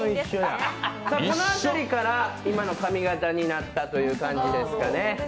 この辺りから今の髪形になった感じですかね。